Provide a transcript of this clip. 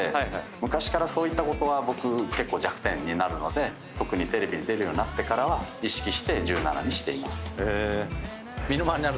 昔からそういったことは僕結構弱点になるのでテレビに出るようになってからは意識して１７にしています。